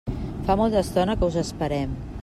Fa molta estona que us esperem.